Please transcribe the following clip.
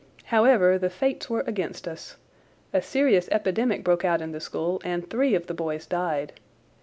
However, the fates were against us. A serious epidemic broke out in the school and three of the boys died.